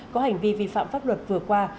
có hành vi vi phạm pháp luật vừa qua